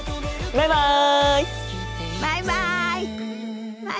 バイバイ。